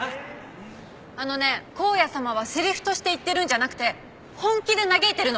あのね光矢様はセリフとして言ってるんじゃなくて本気で嘆いてるの。